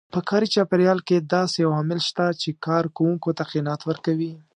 په کاري چاپېريال کې داسې عوامل شته چې کار کوونکو ته قناعت ورکوي.